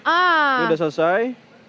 ini sudah selesai